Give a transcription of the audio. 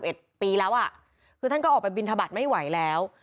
เพราะตัวท่าน๙๑ปีแล้วเขาก็ออกไปบินทะบัดไม่ไหวแล้ว